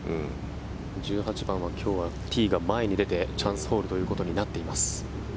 １８番は今日はティーが前に出てチャンスホールということになっています。